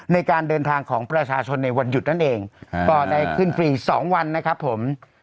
ในการเดินทางของประชาชนในวันหยุดนั่นเองก็ได้ขึ้นฟรี๒วันนะครับผม